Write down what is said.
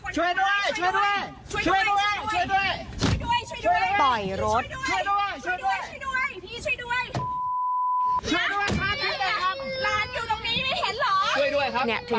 ช่วยด้วยช่วยด้วย